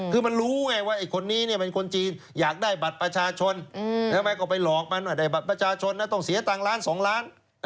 คือมันรู้ไงว่าไอ้คนนี้เป็นคนจีนอยากได้บัตรประชาชนทำไมก็ไปหลอกมันว่าได้บัตรประชาชนนะต้องเสียตังค์ล้าน๒ล้าน